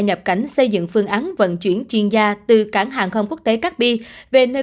nhập cảnh xây dựng phương án vận chuyển chuyên gia từ cảng hàng không quốc tế cát bi về nơi